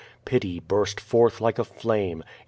Pity burst forth like a flame.